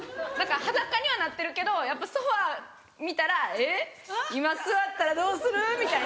裸にはなってるけどやっぱソファ見たらえっ今座ったらどうする？みたいな。